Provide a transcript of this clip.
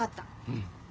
うん。